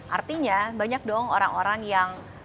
artinya banyak dong orang orang yang